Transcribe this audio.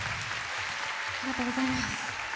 ありがとうございます。